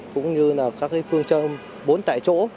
cũng như các phương châm bốn tại chỗ